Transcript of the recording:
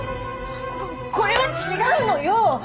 ここれは違うのよ！